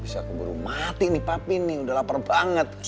bisa keburu mati nih papi nih udah lapar banget